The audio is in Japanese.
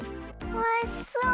おいしそう！